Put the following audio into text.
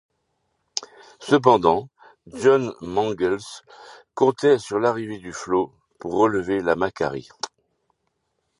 Cependant, John Mangles comptait sur l’arrivée du flot pour relever le Macquarie.